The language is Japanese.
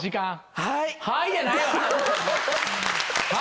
「はい」